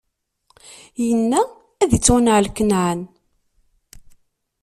Inna: Ad ittwanɛel Kanɛan!